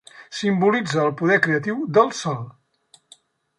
Simbolitza el poder creatiu del sol.